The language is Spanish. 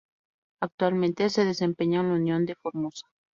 Actualmente se desempeña en La Unión de Formosa.